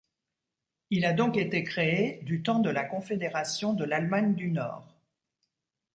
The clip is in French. Il a donc été créé du temps de la confédération de l'Allemagne du Nord.